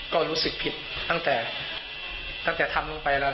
ก็รู้สึกผิดตั้งแต่ทำลงไปแล้ว